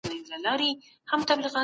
کوم کار د لیونتوب نښه ګڼل کیږي؟